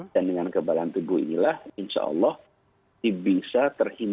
dan dengan kebalan tubuh inilah insya allah kita bisa memiliki kekebalan tubuh